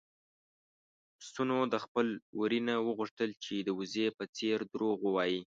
پسونو د خپل وري نه وغوښتل چې د وزې په څېر دروغ ووايي.